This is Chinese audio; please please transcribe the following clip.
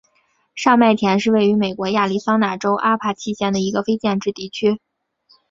上麦田是位于美国亚利桑那州阿帕契县的一个非建制地区。